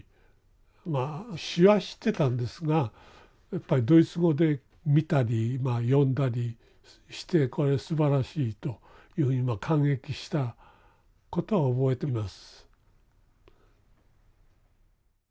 まあ詩は知ってたんですがやっぱりドイツ語で見たりまあ読んだりして「これすばらしい」というふうに感激したことは覚えてます。